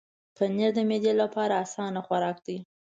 پنېر د معدې لپاره اسانه خوراک دی.